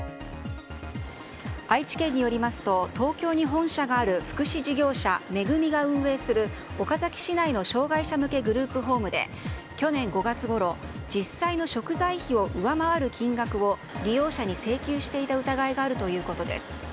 愛知県によりますと東京に本社がある福祉事業者恵が運営する岡崎市内の障碍者向けグループホームで去年５月ごろ実際の食材費を上回る金額を利用者に請求していた疑いがあるということです。